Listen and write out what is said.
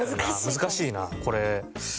難しいなこれ。